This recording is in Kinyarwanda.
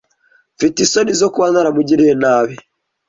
Mfite isoni zo kuba naramugiriye nabi.